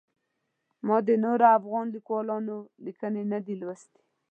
ما د نورو افغان لیکوالانو لیکنې نه دي لوستلي.